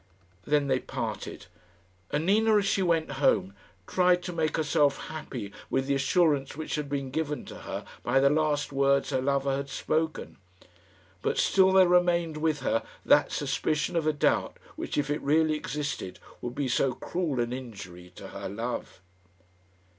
Then they parted; and Nina, as she went home, tried to make herself happy with the assurance which had been given to her by the last words her lover had spoken; but still there remained with her that suspicion of a doubt which, if it really existed, would be so cruel an injury to her love.